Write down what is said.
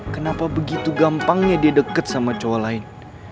kenapa begitu gampangnya dia deket sama cowok lain